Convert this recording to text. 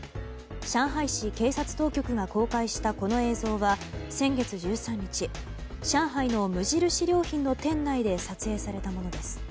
上海市警察当局が公開したこの映像は先月１３日上海の無印良品の店内で撮影されたものです。